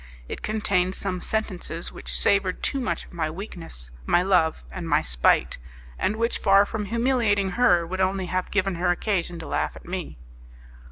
It contained some sentences which savoured too much of my weakness, my love, and my spite, and which, far from humiliating her, would only have given her occasion to laugh at me.